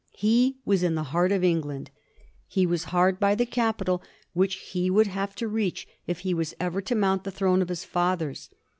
He was in the heart of England ; he was hard by the capital, which he would have to reach if he was ever to mount the throne of his fathers.